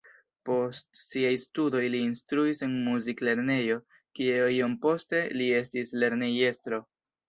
Post siaj studoj li instruis en muziklernejo, kie iom poste li estis lernejestro.